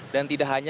dan tidak hanya